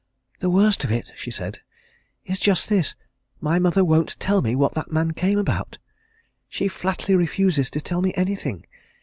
"The worst of it," she said, "is just this my mother won't tell me what that man came about! She flatly refuses to tell me anything!